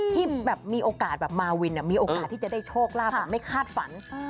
ที่แบบมีโอกาสแบบมาวินมีโอกาสที่จะได้โชคลาภแบบไม่คาดฝัน